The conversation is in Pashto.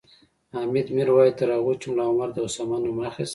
حامد میر وایي تر هغو چې ملا عمر د اسامه نوم اخیست